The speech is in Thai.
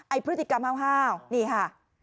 พฤติกรรมห้าวนี่ค่ะ